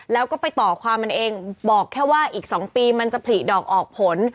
แล้วก็ไปต่อความมันเองบอกแค่ว่าอีก๒ปีมันจะผลิดอกออกผล